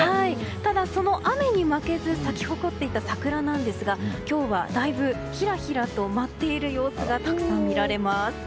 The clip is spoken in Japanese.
ただ、その雨に負けず咲き誇っていた桜なんですが、今日はだいぶひらひらと舞っている様子がたくさん見られます。